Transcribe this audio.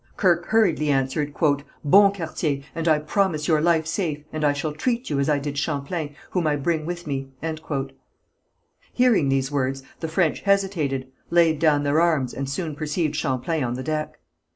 Kirke hurriedly answered, "Bon quartier, and I promise your life safe, and I shall treat you as I did Champlain, whom I bring with me." Hearing these words the French hesitated, laid down their arms, and soon perceived Champlain on the deck.